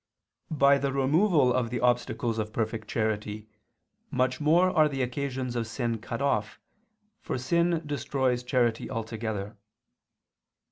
By the removal of the obstacles of perfect charity, much more are the occasions of sin cut off, for sin destroys charity altogether.